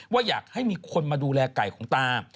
ว่าอยากให้มีคนมาดูแลไก่ของตา